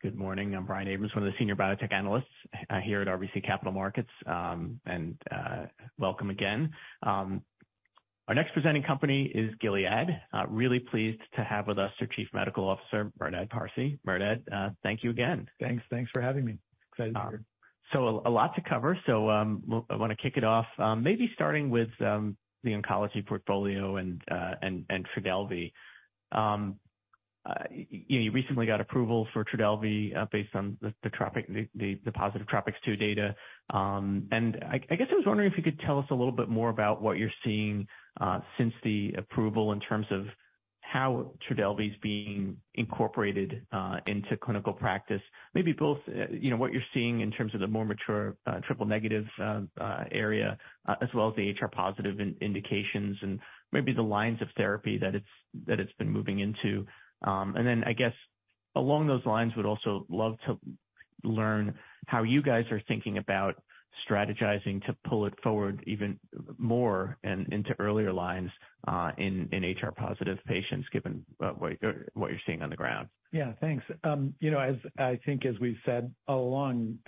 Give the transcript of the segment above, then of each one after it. Good morning. I'm Brian Abrahams, one of the senior biotech analysts, here at RBC Capital Markets. Welcome again. Our next presenting company is Gilead Sciences. Really pleased to have with us their Chief Medical Officer, Merdad Parsey. Merdad, thank you again. Thanks. Thanks for having me. Excited to be here. A lot to cover. I wanna kick it off, maybe starting with the oncology portfolio and Trodelvy. You know, you recently got approval for Trodelvy, based on the positive TROPiCS-02 data. I guess I was wondering if you could tell us a little bit more about what you're seeing since the approval in terms of how Trodelvy is being incorporated into clinical practice. Maybe both, you know, what you're seeing in terms of the more mature, triple negative area, as well as the HR-positive indications and maybe the lines of therapy that it's been moving into. I guess along those lines, would also love to learn how you guys are thinking about strategizing to pull it forward even more and into earlier lines in HR-positive patients, given what you're seeing on the ground. Yeah, thanks. You know, as I think as we've said all along,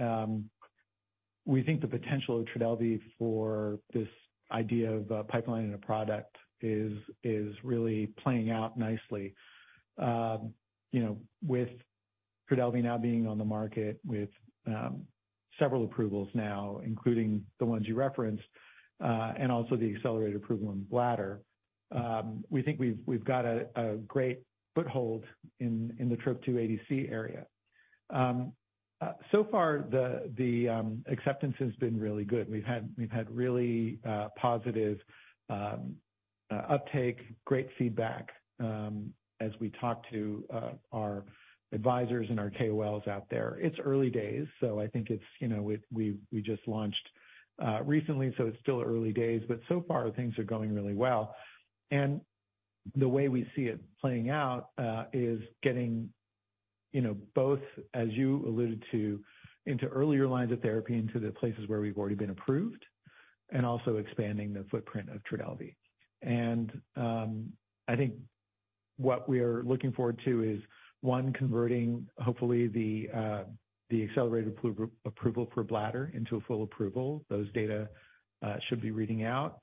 we think the potential of Trodelvy for this idea of pipelining a product is really playing out nicely. You know, with Trodelvy now being on the market with several approvals now, including the ones you referenced, and also the accelerated approval in bladder, we think we've got a great foothold in the Trop-2 ADC area. So far the acceptance has been really good. We've had really positive uptake, great feedback, as we talk to our advisors and our KOLs out there. It's early days, so I think it's, you know, we just launched recently, so it's still early days, but so far things are going really well. The way we see it playing out, is getting, you know, both as you alluded to, into earlier lines of therapy into the places where we've already been approved, and also expanding the footprint of Trodelvy. I think what we are looking forward to is, one, converting hopefully the accelerated approval for bladder into a full approval. Those data, should be reading out,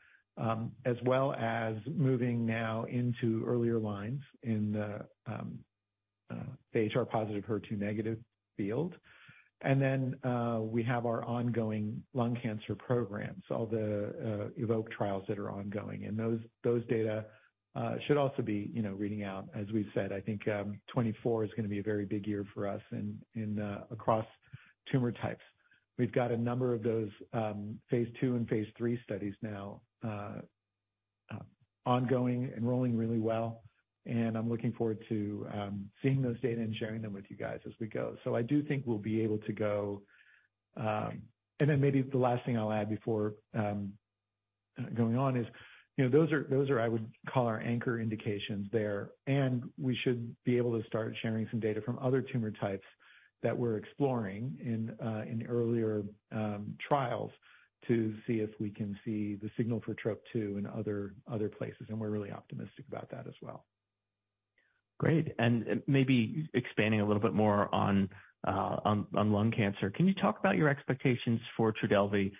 as well as moving now into earlier lines in the HR-positive, HER2-negative field. Then, we have our ongoing lung cancer programs, all the EVOKE trials that are ongoing. Those data, should also be, you know, reading out. As we've said, I think, 2024 is gonna be a very big year for us in across tumor types. We've got a number of those, phase II and phase III studies now, ongoing, enrolling really well, and I'm looking forward to seeing those data and sharing them with you guys as we go. I do think we'll be able to go. Maybe the last thing I'll add before going on is, you know, those are, those are I would call our anchor indications there, and we should be able to start sharing some data from other tumor types that we're exploring in earlier trials to see if we can see the signal for Trop-2 in other places, and we're really optimistic about that as well. Great. Maybe expanding a little bit more on lung cancer, can you talk about your expectations for Trodelvy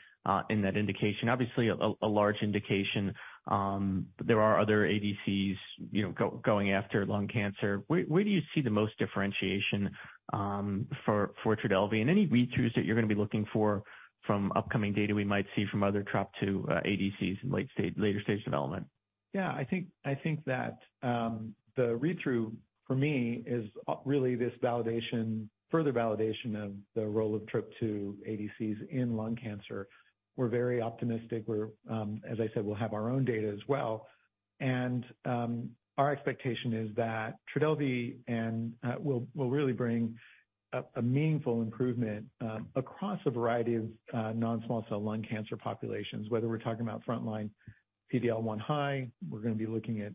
in that indication? Obviously a large indication, but there are other ADCs, you know, going after lung cancer. Where do you see the most differentiation for Trodelvy? Any read-throughs that you're gonna be looking for from upcoming data we might see from other Trop-2 ADCs in later stage development? Yeah. I think that the read-through for me is really this further validation of the role of Trop-2 ADCs in non-small cell lung cancer. We're very optimistic. We're, as I said, we'll have our own data as well. Our expectation is that Trodelvy will really bring a meaningful improvement across a variety of non-small cell lung cancer populations, whether we're talking about frontline PDL1 high, we're gonna be looking at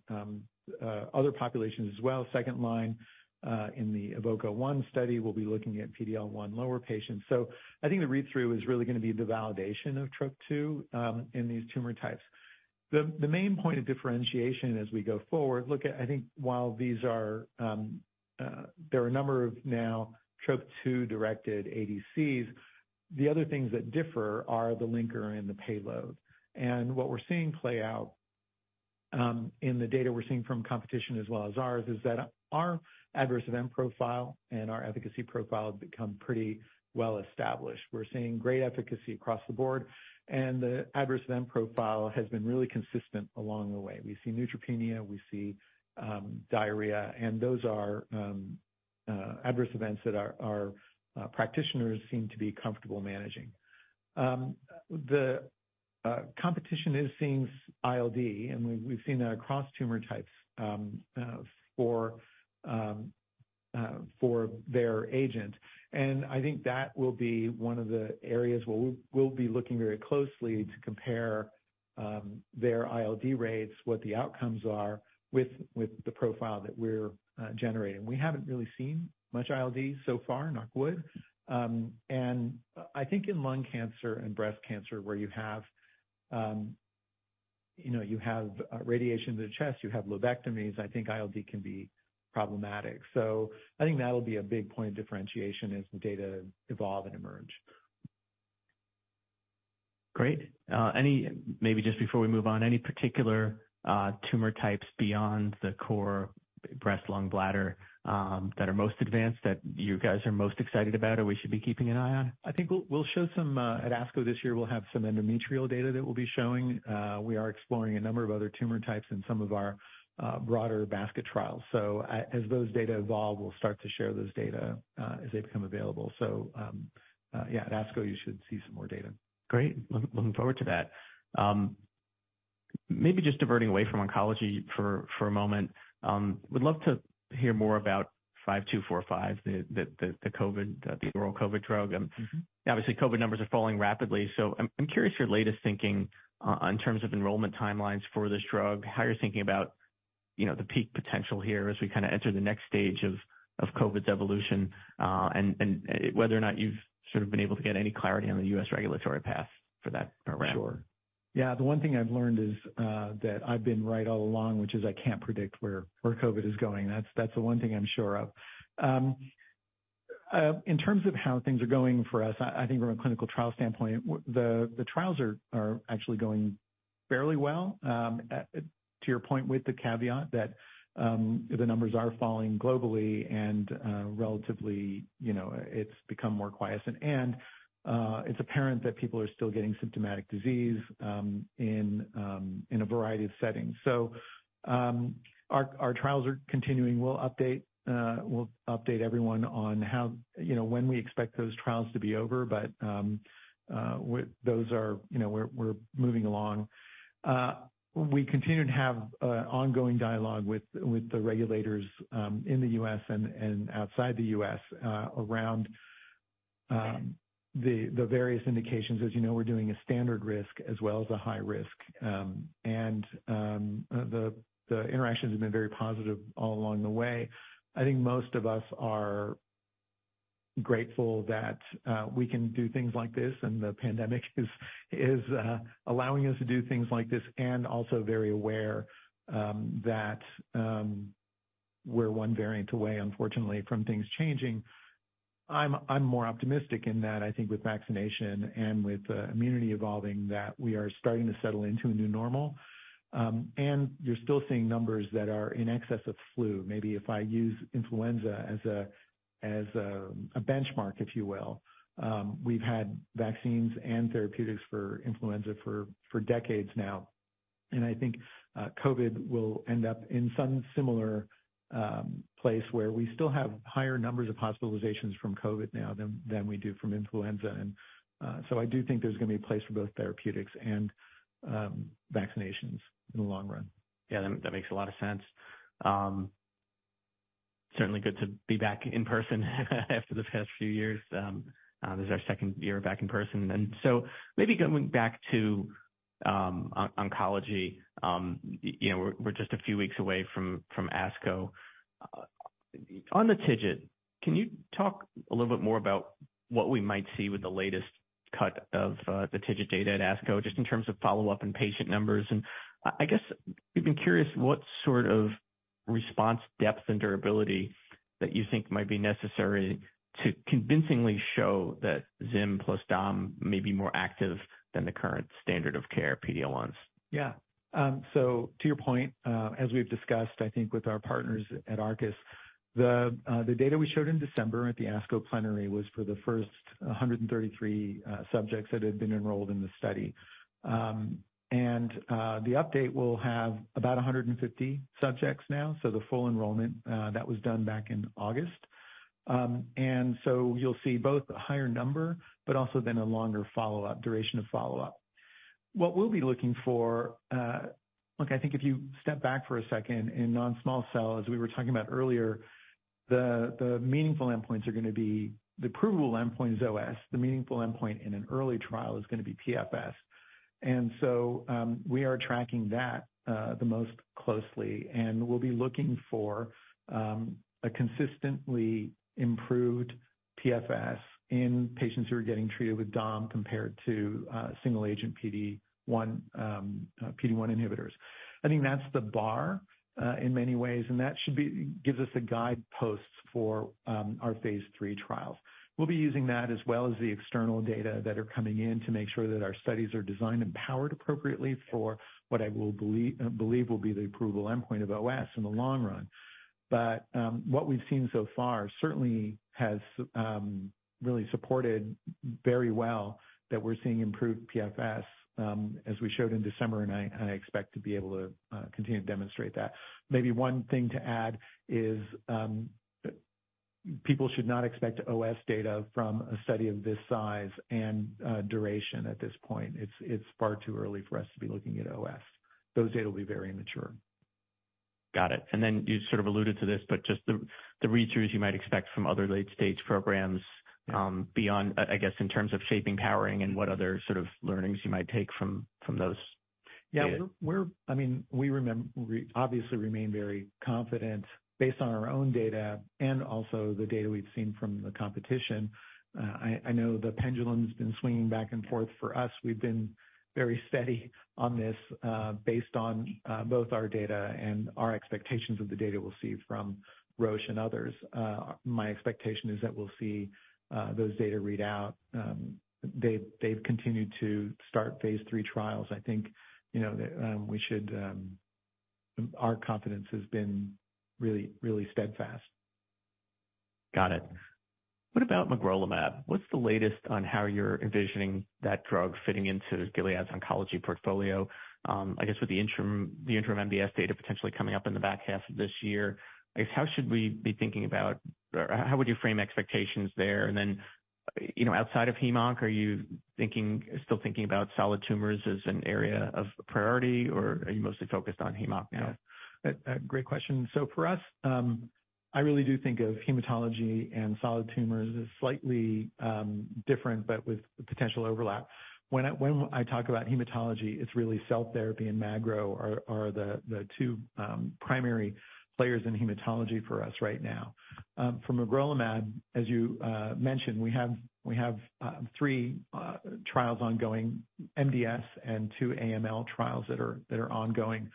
other populations as well. Second line, in the EVOKE-01 study, we'll be looking at PDL1 lower patients. I think the read-through is really gonna be the validation of Trop-2 in these tumor types. The main point of differentiation as we go forward, look at, I think while these are, there are a number of now Trop-2-directed ADCs, the other things that differ are the linker and the payload. What we're seeing play out, in the data we're seeing from competition as well as ours, is that our adverse event profile and our efficacy profile have become pretty well established. We're seeing great efficacy across the board, and the adverse event profile has been really consistent along the way. We see neutropenia, we see diarrhea, and those are adverse events that our practitioners seem to be comfortable managing. The competition is seeing ILD, and we've seen that across tumor types, for their agent. I think that will be one of the areas where we'll be looking very closely to compare their ILD rates, what the outcomes are with the profile that we're generating. We haven't really seen much ILD so far, knock wood. I think in lung cancer and breast cancer where you have, You know, you have radiation to the chest, you have lobectomies, I think ILD can be problematic. I think that'll be a big point of differentiation as the data evolve and emerge. Great. Maybe just before we move on, any particular tumor types beyond the core breast, lung, bladder, that are most advanced that you guys are most excited about or we should be keeping an eye on? I think we'll show some at ASCO this year, we'll have some endometrial data that we'll be showing. We are exploring a number of other tumor types in some of our broader basket trials. As those data evolve, we'll start to share those data as they become available. Yeah, at ASCO, you should see some more data. Great. Looking forward to that. Maybe just diverting away from oncology for a moment. Would love to hear more about GS-5245, the oral COVID drug. Mm-hmm. Obviously, COVID numbers are falling rapidly, so I'm curious your latest thinking on terms of enrollment timelines for this drug, how you're thinking about, you know, the peak potential here as we kind of enter the next stage of COVID's evolution, and whether or not you've sort of been able to get any clarity on the U.S. regulatory path for that program. Sure. Yeah, the one thing I've learned is that I've been right all along, which is I can't predict where COVID is going. That's the one thing I'm sure of. In terms of how things are going for us, I think from a clinical trial standpoint, the trials are actually going fairly well, to your point, with the caveat that the numbers are falling globally and relatively, you know, it's become more quiescent. It's apparent that people are still getting symptomatic disease, in a variety of settings. Our trials are continuing. We'll update everyone on how, you know, when we expect those trials to be over. Those are, you know, we're moving along. We continue to have ongoing dialogue with the regulators in the U.S. and outside the U.S. around the various indications. As you know, we're doing a standard risk as well as a high risk. The interactions have been very positive all along the way. I think most of us are grateful that we can do things like this, and the pandemic is allowing us to do things like this, and also very aware that we're one variant away, unfortunately, from things changing. I'm more optimistic in that I think with vaccination and with immunity evolving, that we are starting to settle into a new normal. You're still seeing numbers that are in excess of flu. Maybe if I use influenza as a benchmark, if you will. We've had vaccines and therapeutics for influenza for decades now, and I think COVID will end up in some similar place where we still have higher numbers of hospitalizations from COVID now than we do from influenza. I do think there's gonna be a place for both therapeutics and vaccinations in the long run. Yeah, that makes a lot of sense. Certainly good to be back in person after the past few years. This is our second year back in person. Maybe going back to oncology, you know, we're just a few weeks away from ASCO. On the TIGIT, can you talk a little bit more about what we might see with the latest cut of the TIGIT data at ASCO, just in terms of follow-up and patient numbers? I guess we've been curious what sort of response depth and durability that you think might be necessary to convincingly show that zimberelimab plus domvanalimab may be more active than the current standard of care PD-L1s. Yeah. To your point, as we've discussed, I think with our partners at Arcus, the data we showed in December at the ASCO plenary was for the first 133 subjects that had been enrolled in the study. The update will have about 150 subjects now, so the full enrollment that was done back in August. You'll see both a higher number, but also then a longer follow-up, duration of follow-up. What we'll be looking for. Look, I think if you step back for a second, in non-small cell, as we were talking about earlier, the provable endpoint is OS. The meaningful endpoint in an early trial is gonna be PFS. We are tracking that the most closely, and we'll be looking for a consistently improved PFS in patients who are getting treated with domvanalimab compared to single agent PD-1 inhibitors. I think that's the bar in many ways, and that gives us the guideposts for our phase III trials. We'll be using that as well as the external data that are coming in to make sure that our studies are designed and powered appropriately for what I believe will be the approval endpoint of OS in the long run. What we've seen so far certainly has really supported very well that we're seeing improved PFS, as we showed in December, and I, and I expect to be able to continue to demonstrate that. Maybe one thing to add is, people should not expect OS data from a study of this size and duration at this point. It's far too early for us to be looking at OS. Those data will be very immature. Got it. Then you sort of alluded to this, but just the read-throughs you might expect from other late-stage programs, beyond, I guess, in terms of shaping powering and what other sort of learnings you might take from those. Yeah, I mean, we obviously remain very confident based on our own data and also the data we've seen from the competition. I know the pendulum's been swinging back and forth. For us, we've been very steady on this, based on both our data and our expectations of the data we'll see from Roche and others. My expectation is that we'll see those data read out. They've continued to start phase III trials. I think, you know, we should. Our confidence has been really steadfast. Got it. What about magrolimab? What's the latest on how you're envisioning that drug fitting into Gilead's oncology portfolio? I guess with the interim MDS data potentially coming up in the back half of this year, I guess how should we be thinking about or how would you frame expectations there? You know, outside of hemonc, are you thinking, still thinking about solid tumors as an area of priority, or are you mostly focused on hemonc now? A great question. For us, I really do think of hematology and solid tumors as slightly different, but with potential overlap. When I talk about hematology, it's really cell therapy and Magro are the two primary players in hematology for us right now. For magrolimab, as you mentioned, we have three trials ongoing, MDS and two AML trials that are ongoing.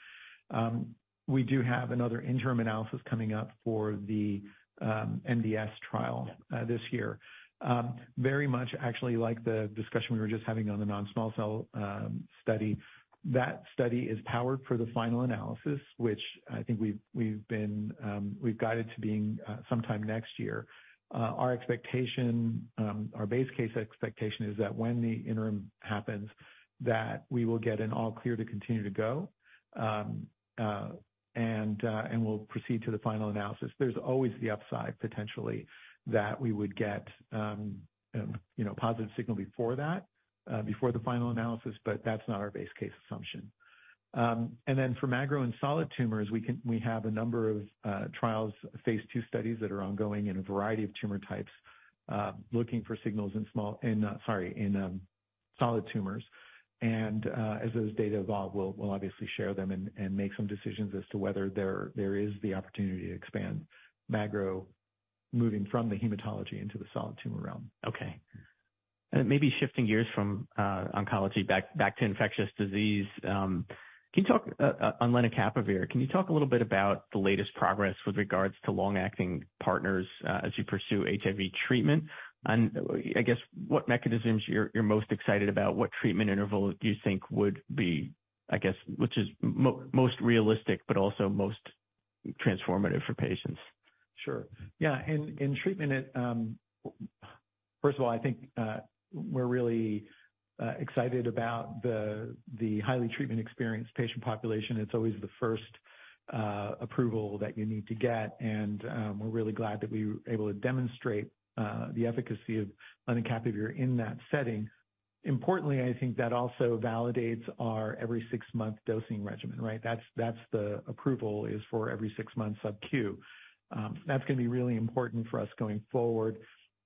We do have another interim analysis coming up for the MDS trial this year. Very much actually like the discussion we were just having on the non-small cell study. That study is powered for the final analysis, which I think we've been guided to being sometime next year. Our expectation, our base case expectation is that when the interim happens, that we will get an all clear to continue to go. And we'll proceed to the final analysis. There's always the upside, potentially, that we would get, you know, positive signal before that, before the final analysis, but that's not our base case assumption. And then for Magro and solid tumors, we have a number of trials, phase II studies that are ongoing in a variety of tumor types, looking for signals in solid tumors. As those data evolve, we'll obviously share them and make some decisions as to whether there is the opportunity to expand Magro moving from the hematology into the solid tumor realm. Okay. Maybe shifting gears from oncology back to infectious disease. Can you talk on lenacapavir, can you talk a little bit about the latest progress with regards to long-acting partners as you pursue HIV treatment? I guess what mechanisms you're most excited about? What treatment interval do you think would be, I guess, which is most realistic but also most transformative for patients? Sure. Yeah. In, in treatment it, first of all, I think, we're really excited about the highly treatment experienced patient population. It's always the first approval that you need to get, and we're really glad that we were able to demonstrate the efficacy of lenacapavir in that setting. Importantly, I think that also validates our every six-month dosing regimen, right? That's the approval is for every six months SubQ. That's gonna be really important for us going forward,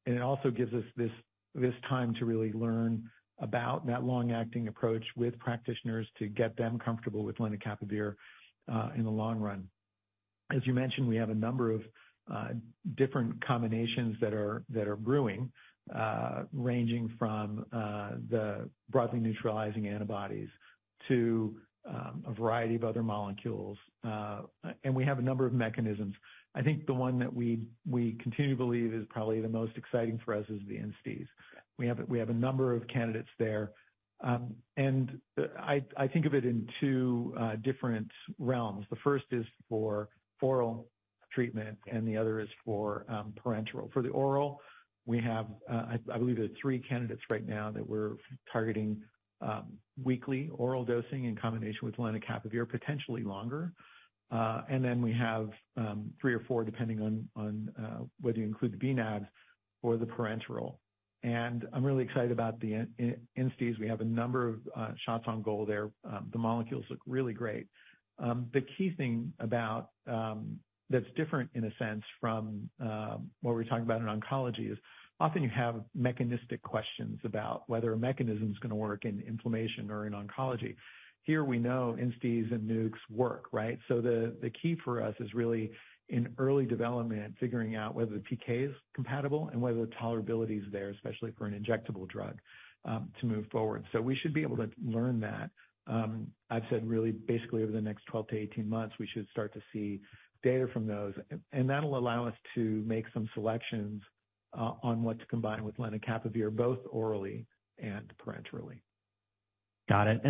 and it also gives us this time to really learn about that long-acting approach with practitioners to get them comfortable with lenacapavir in the long run. As you mentioned, we have a number of different combinations that are brewing, ranging from the broadly neutralizing antibodies to a variety of other molecules. We have a number of mechanisms. I think the one that we continue to believe is probably the most exciting for us is the INSTIs. We have a number of candidates there. I think of it in two different realms. The first is for oral treatment, and the other is for parenteral. For the oral, we have, I believe there's three candidates right now that we're targeting weekly oral dosing in combination with lenacapavir, potentially longer. Then we have three or four, depending on whether you include the bNAb for the parenteral. I'm really excited about the INSTIs. We have a number of shots on goal there. The molecules look really great. The key thing about that's different in a sense from what we're talking about in oncology is often you have mechanistic questions about whether a mechanism's gonna work in inflammation or in oncology. Here we know INSTIs and NUCs work, right? The key for us is really in early development, figuring out whether the PK is compatible and whether the tolerability is there, especially for an injectable drug to move forward. We should be able to learn that. I've said really basically over the next 12-18 months, we should start to see data from those, and that'll allow us to make some selections on what to combine with lenacapavir, both orally and parenterally. Got it.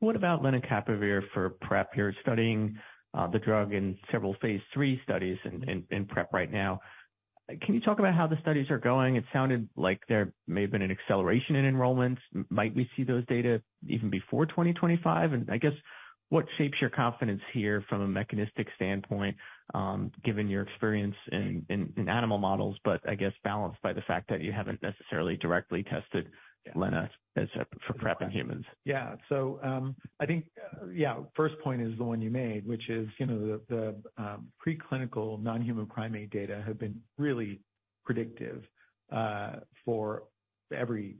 What about lenacapavir for PrEP? You're studying the drug in several phase 3 studies in PrEP right now. Can you talk about how the studies are going? It sounded like there may have been an acceleration in enrollments. Might we see those data even before 2025? I guess what shapes your confidence here from a mechanistic standpoint, given your experience in animal models, but I guess balanced by the fact that you haven't necessarily directly tested for lena except for PrEP in humans. Yeah. I think, yeah, first point is the one you made, which is, you know, the preclinical non-human primate data have been really predictive for every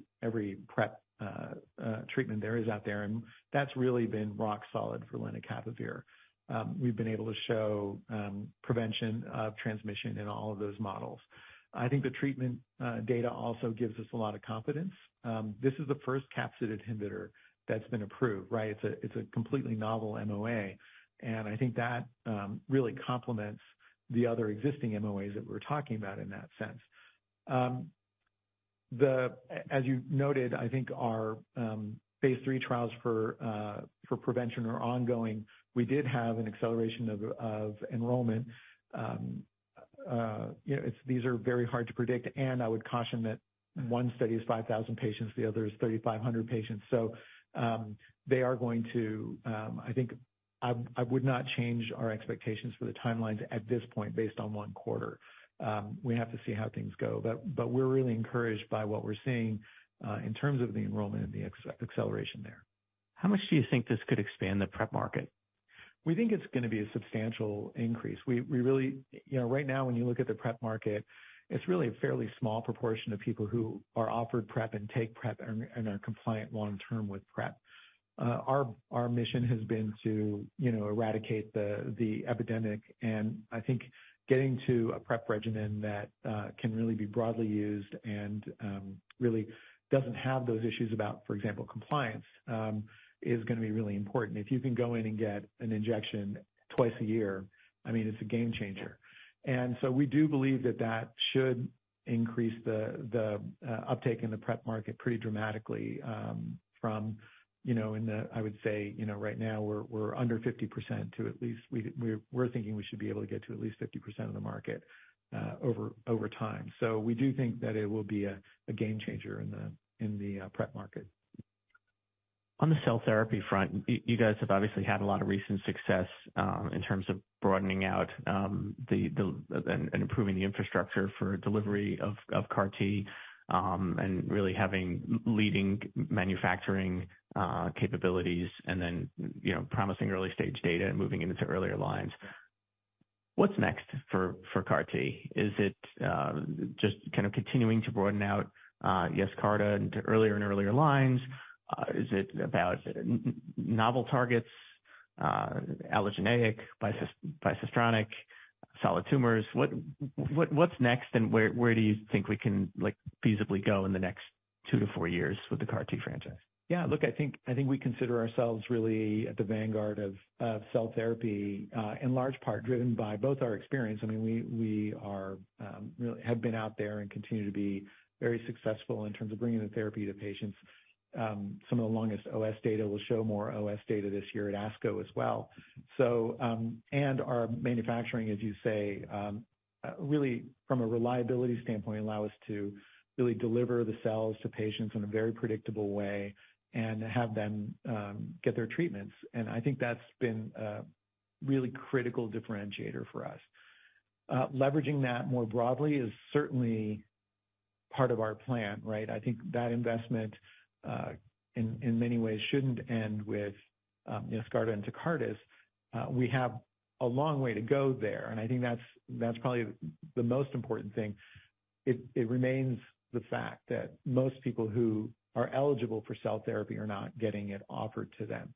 PrEP treatment there is out there, and that's really been rock solid for lenacapavir. We've been able to show prevention of transmission in all of those models. I think the treatment data also gives us a lot of confidence. This is the first capsid inhibitor that's been approved, right? It's a, it's a completely novel MOA, and I think that really complements the other existing MOAs that we're talking about in that sense. As you noted, I think our phase III trials for prevention are ongoing. We did have an acceleration of enrollment. You know, these are very hard to predict, and I would caution that one study is 5,000 patients, the other is 3,500 patients. They are going to I think I would not change our expectations for the timelines at this point based on one quarter. We have to see how things go. We're really encouraged by what we're seeing in terms of the enrollment and the acceleration there. How much do you think this could expand the PrEP market? We think it's going to be a substantial increase. We really, you know, right now when you look at the PrEP market, it's really a fairly small proportion of people who are offered PrEP and take PrEP and are compliant long term with PrEP. Our mission has been to, you know, eradicate the epidemic, I think getting to a PrEP regimen that can really be broadly used and really doesn't have those issues about, for example, compliance, is going to be really important. If you can go in and get an injection two times a year, I mean, it's a game changer. We do believe that that should increase the uptake in the PrEP market pretty dramatically from, you know. I would say, you know, right now we're under 50% to at least we're thinking we should be able to get to at least 50% of the market over time. We do think that it will be a game changer in the PrEP market. On the cell therapy front, you guys have obviously had a lot of recent success in terms of broadening out and improving the infrastructure for delivery of CAR T, and really having leading manufacturing capabilities and then, you know, promising early stage data and moving into earlier lines. What's next for CAR T? Is it just kind of continuing to broaden out Yescarta into earlier and earlier lines? Is it about novel targets, allogeneic, bispecific, solid tumors? What's next and where do you think we can, like, feasibly go in the next two to four years with the CAR T franchise? Look, I think we consider ourselves really at the vanguard of cell therapy, in large part driven by both our experience. I mean, we are really have been out there and continue to be very successful in terms of bringing the therapy to patients. Some of the longest OS data, we'll show more OS data this year at ASCO as well. Our manufacturing, as you say, really from a reliability standpoint allow us to really deliver the cells to patients in a very predictable way and have them get their treatments. I think that's been a really critical differentiator for us. Leveraging that more broadly is certainly part of our plan, right? I think that investment, in many ways shouldn't end with Yescarta and Tecartus. We have a long way to go there, I think that's probably the most important thing. It remains the fact that most people who are eligible for cell therapy are not getting it offered to them.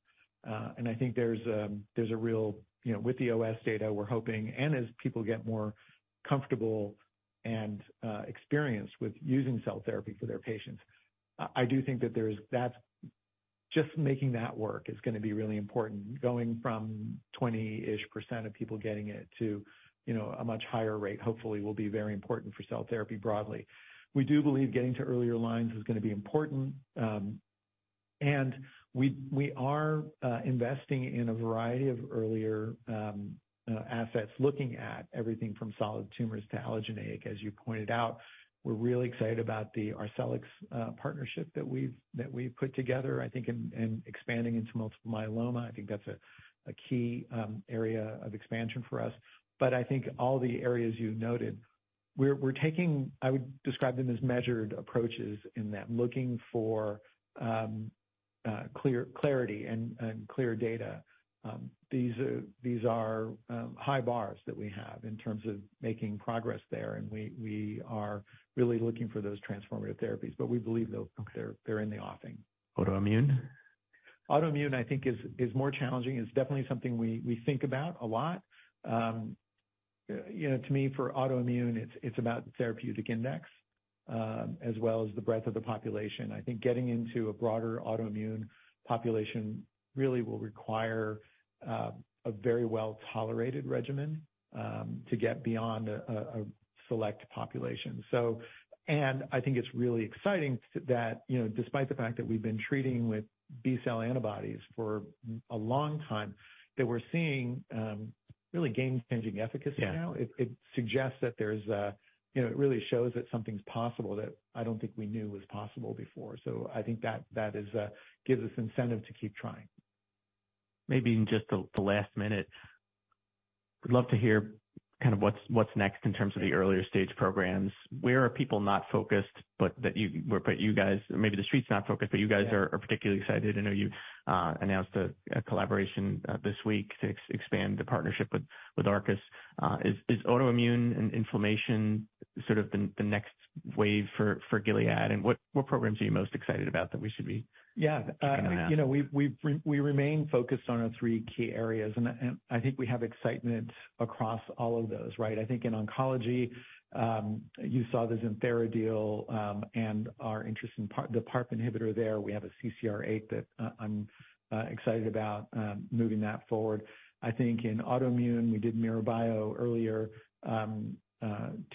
I think there's a real, you know, with the OS data, we're hoping and as people get more comfortable and experienced with using cell therapy for their patients, I do think that's. Just making that work is gonna be really important. Going from 20-ish% of people getting it to, you know, a much higher rate hopefully will be very important for cell therapy broadly. We do believe getting to earlier lines is gonna be important. We are investing in a variety of earlier assets, looking at everything from solid tumors to allogeneic. As you pointed out, we're really excited about the Arcellx partnership that we've put together, I think in expanding into multiple myeloma. I think that's a key area of expansion for us. I think all the areas you noted, we're taking, I would describe them as measured approaches in that looking for clarity and clear data. These are high bars that we have in terms of making progress there, and we are really looking for those transformative therapies. We believe they're in the offing. Autoimmune? Autoimmune I think is more challenging. It's definitely something we think about a lot. You know, to me for autoimmune it's about therapeutic index, as well as the breadth of the population. I think getting into a broader autoimmune population really will require a very well-tolerated regimen, to get beyond a select population. I think it's really exciting that, you know, despite the fact that we've been treating with B-cell antibodies for a long time, that we're seeing really game-changing efficacy now. Yeah. It suggests that there's a, you know, it really shows that something's possible that I don't think we knew was possible before. I think that is, gives us incentive to keep trying. Maybe in just the last minute, would love to hear kind of what's next in terms of the earlier stage programs. Where are people not focused, but you guys, maybe the street's not focused, but you guys are particularly excited. I know you announced a collaboration this week to expand the partnership with Arcus. Is autoimmune and inflammation sort of the next wave for Gilead, and what programs are you most excited about that we should be? Yeah. -keeping an eye on? You know, we remain focused on our three key areas. I think we have excitement across all of those, right? I think in oncology, you saw the XinThera deal and our interest in the PARP inhibitor there. We have a CCR8 that I'm excited about moving that forward. I think in autoimmune we did MiroBio earlier.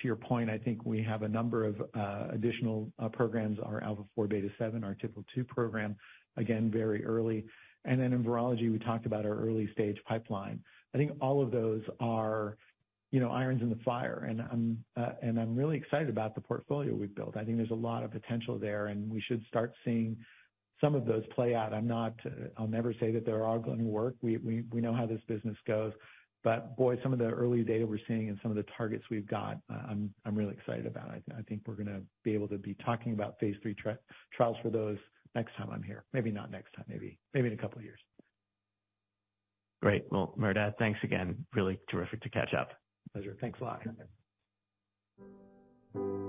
To your point, I think we have a number of additional programs. Our alpha-4 beta-7, our TYK2 program, again, very early. Then in virology we talked about our early stage pipeline. I think all of those are, you know, irons in the fire and I'm really excited about the portfolio we've built. I think there's a lot of potential there, and we should start seeing some of those play out. I'm not, I'll never say that they're all going to work. We know how this business goes. Boy, some of the early data we're seeing and some of the targets we've got, I'm really excited about. I think we're gonna be able to be talking about phase III trials for those next time I'm here. Maybe not next time, maybe in a couple years. Great. Well, Merdad, thanks again. Really terrific to catch up. Pleasure. Thanks a lot. Okay.